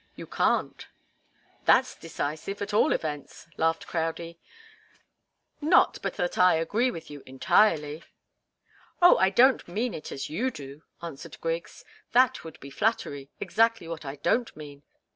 "You can't." "That's decisive, at all events," laughed Crowdie. "Not but that I agree with you, entirely." "Oh, I don't mean it as you do," answered Griggs. "That would be flattery exactly what I don't mean.